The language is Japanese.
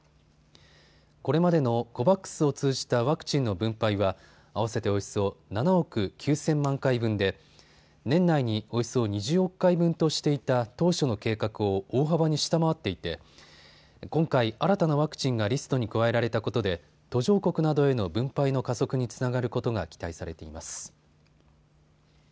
これまでのＣＯＶＡＸを通じたワクチンの分配は合わせておよそ７億９０００万回分で年内におよそ２０億回分としていた当初の計画を大幅に下回っていて今回、新たなワクチンがリストに加えられたことで途上国などへの分配の加速につながることが期待されています。